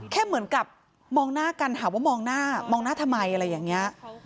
เหมือนกับมองหน้ากันถามว่ามองหน้ามองหน้าทำไมอะไรอย่างนี้